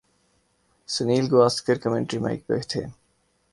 Sunil Gavaskar commentary mic پہ تھے۔